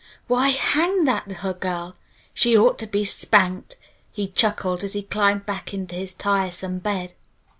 "Why hang that little girl! She ought to be s p a n k e d," he chuckled as he climbed back into his tiresome bed.